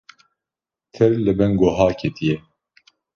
Tir li bin goha ketiye